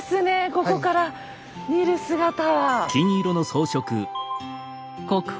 ここから見る姿は。